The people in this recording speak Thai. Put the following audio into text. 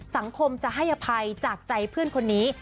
สังคมจะให้อภัยจากใจเพื่อนคนนี้